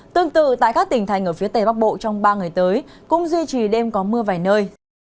tương tự tại các tỉnh thành ở phía tây bắc bộ trong ba ngày tới cũng duy trì đêm có mưa vài nơi